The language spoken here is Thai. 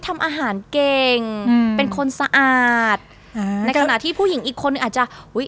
ทำอาหารเก่งอืมเป็นคนสะอาดอ่าในขณะที่ผู้หญิงอีกคนนึงอาจจะอุ้ย